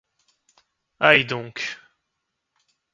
Aïe donc !